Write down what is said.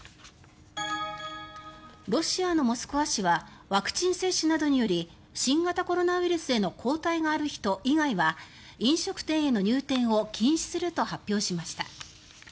ロシアのモスクワ市はワクチン接種などにより新型コロナウイルスへの抗体がある人以外は飲食店への入店を禁止すると発表しました。